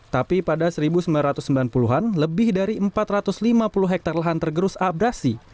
tapi pada seribu sembilan ratus sembilan puluh an lebih dari empat ratus lima puluh hektare lahan tergerus abrasi